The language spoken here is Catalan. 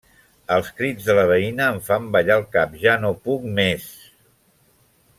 Els crits de la veïna em fan ballar el cap. Ja no puc més!